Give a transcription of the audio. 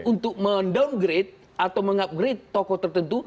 untuk men downgrade atau meng upgrade tokoh tertentu